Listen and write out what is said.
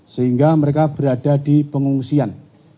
sehingga mereka berada di pengungsian